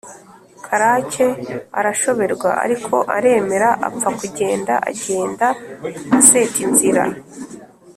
Karake arashoberwa ariko aremera apfa kugenda, agenda aseta inzira